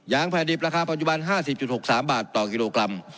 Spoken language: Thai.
แผ่นดิบราคาปัจจุบัน๕๐๖๓บาทต่อกิโลกรัม